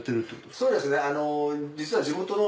そうですね